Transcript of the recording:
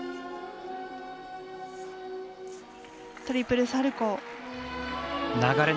トリプルサルコー。